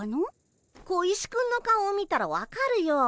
小石くんの顔を見たら分かるよ。